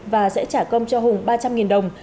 và sẽ trả công cho hùng ba trăm linh đồng